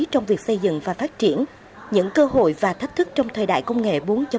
trong việc xây dựng và phát triển những cơ hội và thách thức trong thời đại công nghệ bốn